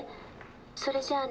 「それじゃあね」